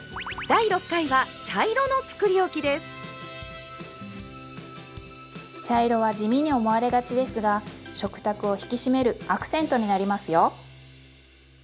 茶色は地味に思われがちですが食卓を引き締めるアクセントになりますよ。